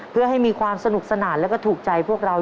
เพื่อให้มีความสนุกสนานแล้วก็ถูกใจพวกเรา